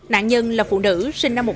nạn nhân là phụ nữ sinh năm hai nghìn một